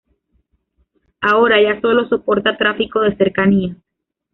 Ahora ya sólo soporta tráfico de cercanías.